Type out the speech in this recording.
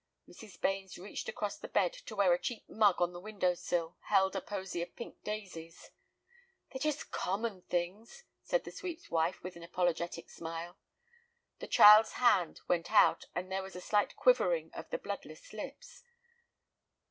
Mrs. Bains reached across the bed to where a cheap mug on the window sill held a posy of pink daisies. "They're just common things," said the sweep's wife, with an apologetic smile. The child's hand went out, and there was a slight quivering of the bloodless lips.